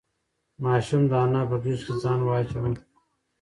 ماشوم د انا په غېږ کې ځان واچاوه.